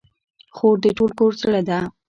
خور د ټول کور زړه ده.